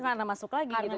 kenapa masuk lagi